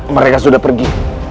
mereka sudah pergi